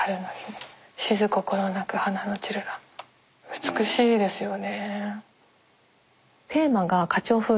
美しいですよね。